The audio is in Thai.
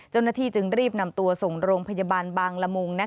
เจ้าหน้าที่จึงรีบนำตัวส่งโรงพยาบาลบางละมุง